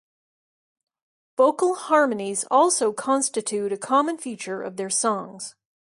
Vocal harmonies also constitute a common feature of their songs.